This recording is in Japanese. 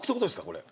これ。